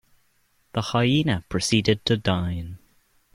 The hyena proceeded to dine.